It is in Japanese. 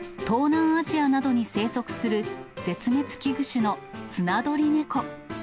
東南アジアなどに生息する絶滅危惧種のスナドリネコ。